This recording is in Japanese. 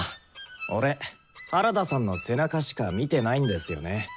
俺原田さんの背中しか見てないんですよね。